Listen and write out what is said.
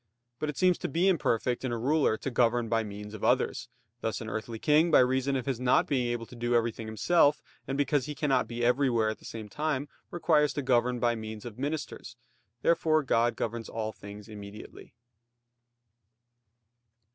But it seems to be imperfect in a ruler to govern by means of others; thus an earthly king, by reason of his not being able to do everything himself, and because he cannot be everywhere at the same time, requires to govern by means of ministers. Therefore God governs all things immediately.